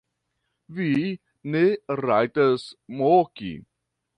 Vi ne rajtas moki!